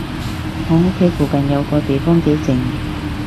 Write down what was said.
我屋企附近有個地方幾靜